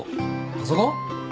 パソコン？